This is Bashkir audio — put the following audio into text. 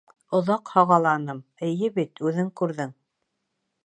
«Оҙаҡ һағаланым, эйе бит, үҙең күрҙең!»